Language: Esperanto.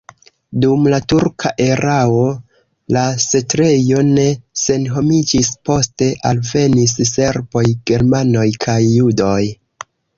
Dum la turka erao la setlejo ne senhomiĝis, poste alvenis serboj, germanoj kaj judoj.